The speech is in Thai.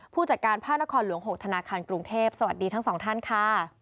ผู้จัดการภาคนครหลวง๖ธนาคารกรุงเทพสวัสดีทั้งสองท่านค่ะ